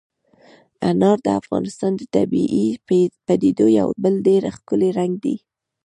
انار د افغانستان د طبیعي پدیدو یو بل ډېر ښکلی رنګ دی.